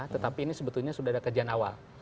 tetapi ini sebetulnya sudah ada kajian awal